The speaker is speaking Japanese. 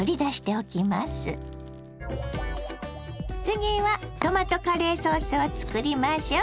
次はトマトカレーソースを作りましょ。